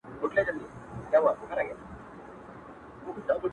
• له چا ټوله نړۍ پاته له چا یو قلم پاتیږي ,